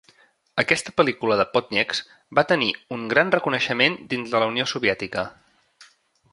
Aquesta pel·lícula de Podnieks va tenir un gran reconeixement dins de la Unió Soviètica.